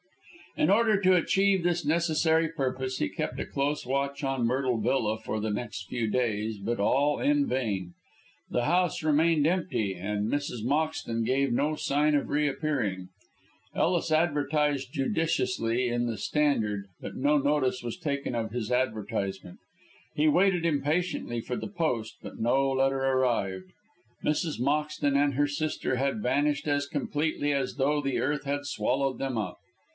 In order to achieve this necessary purpose he kept a close watch on Myrtle Villa for the next few days, but all in vain. The house remained empty, and Mrs. Moxton gave no sign of reappearing. Ellis advertised judiciously in the Standard, but no notice was taken of his advertisement; he waited impatiently for the post, but no letter arrived. Mrs. Moxton and her sister had vanished as completely as though the earth had swallowed them up.